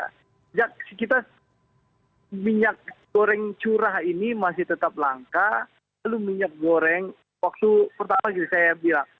sejak kita minyak goreng curah ini masih tetap langka lalu minyak goreng waktu pertama saya bilang